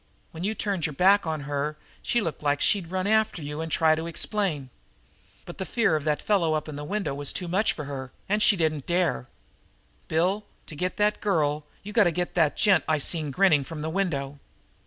When you turned your back on her she looked like she'd run after you and try to explain. But the fear of that fellow up in the window was too much for her, and she didn't dare. Bill, to get at the girl you got to get that gent I seen grinning from the window."